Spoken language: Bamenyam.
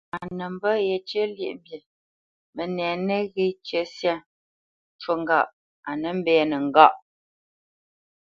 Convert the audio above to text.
A nə mbə̄ yecyə́ lyéʼmbî, mənɛ nəghé cə syâ cú ŋgâʼ a nə́ mbɛ́nə́ ŋgâʼ.